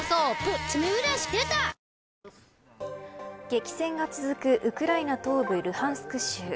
激戦が続くウクライナ東部ルハンスク州。